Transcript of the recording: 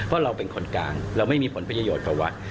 เพราะเราเป็นคนกลางเราไม่มีผลประโยชน์กับวัด